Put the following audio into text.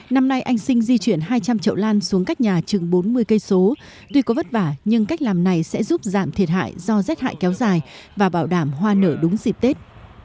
năm nay anh sinh di chuyển hai trăm linh trậu lan xuống cách nhà chừng bốn mươi km tuy có vất vả nhưng cách làm này sẽ giúp giảm thiệt hại do rét hại kéo dài và bảo đảm hoa nở đúng dịp tết